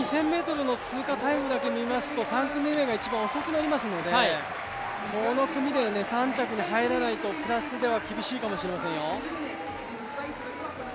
２０００ｍの通過タイムだけ見ますと３組目が一番遅くなりますのでこの組で３着に入らないとプラスでは厳しいかもしれませんよ。